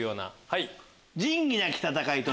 はい。